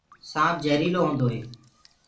سآنپ جهريٚلآ هوندآ هينٚ۔